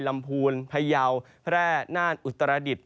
ลำพูลไพยาวแพร่นานอุตราดิษฐ์